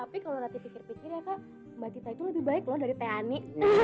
tapi kalau rati pikir pikir ya kak mbak tita itu lebih baik loh dari teh ani